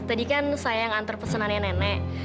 tadi kan saya yang antar pesanannya nenek